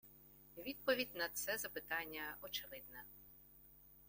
Відповідь на це запитання очевидна